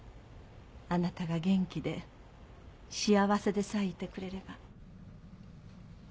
あなたが元気で幸せでさえいてくれれば。